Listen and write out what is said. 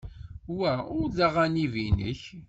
Wa ur d aɣanib-nnek.